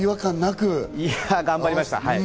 頑張りました。